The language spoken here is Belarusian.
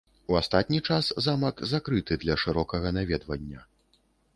У астатні час замак закрыты для шырокага наведвання.